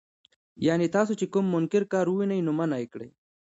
يعني تاسو چې کوم منکر کار ووينئ، نو منعه يې کړئ.